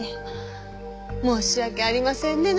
申し訳ありませんね梨田さん。